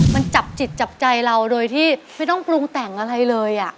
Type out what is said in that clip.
มันจับจิตจับใจเราโดยที่ไม่ต้องปรุงแต่งอะไรเลย